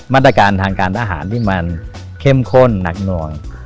มาตรการทางการทหารที่มันเข้มข้นหนักหน่วง